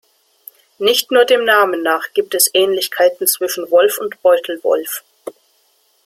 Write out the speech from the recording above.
Nicht nur dem Namen nach gibt es Ähnlichkeiten zwischen Wolf und Beutelwolf.